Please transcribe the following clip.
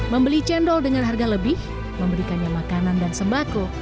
membeli cendol dengan harga lebih memberikannya makanan dan sembako